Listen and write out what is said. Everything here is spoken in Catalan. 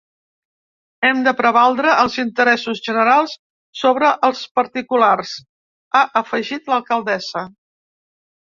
“Hem de prevaldre els interessos generals sobre els particulars” ha afegit l’alcaldessa.